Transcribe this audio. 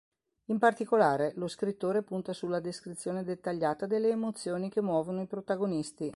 In particolare, lo scrittore punta sulla descrizione dettagliata delle emozioni che muovono i protagonisti.